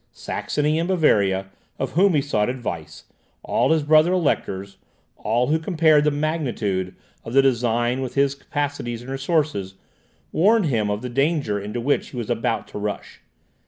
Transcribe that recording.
Saxony and Bavaria, of whom he sought advice, all his brother electors, all who compared the magnitude of the design with his capacities and resources, warned him of the danger into which he was about to rush.